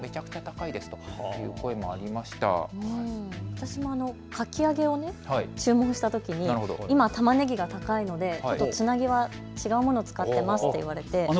私もかき揚げを注文したときに今、たまねぎが高いのでつなぎは違うものを使っていますと言われて。